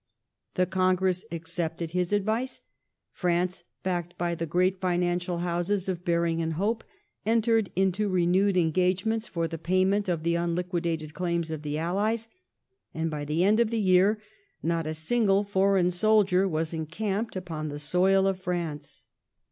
The Congress accepted his advice ; France, backed by the great financial houses of Baring and Hope, entered into renewed engagements for the payment of the unliquidated claims of the allies, and by the end of the year not a single foreign [soldier was encamped upon the soil of France.